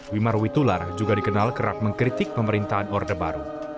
wimar witular juga dikenal kerap mengkritik pemerintahan orde baru